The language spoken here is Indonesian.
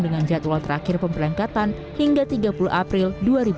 dengan jadwal terakhir pemberangkatan hingga tiga puluh april dua ribu dua puluh